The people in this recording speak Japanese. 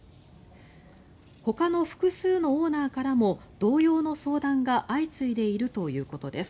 ほかの複数のオーナーからも同様の相談が相次いでいるということです。